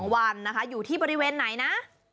๒วันนะคะอยู่ที่บริเวณไหนนะ